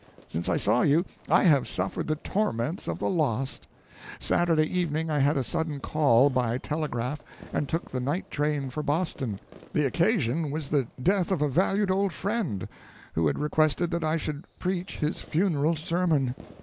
Since I saw you I have suffered the torments of the lost. Saturday evening I had a sudden call, by telegraph, and took the night train for Boston. The occasion was the death of a valued old friend who had requested that I should preach his funeral sermon.